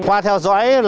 qua theo dõi